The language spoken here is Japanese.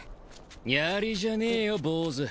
やりじゃねえよ坊主。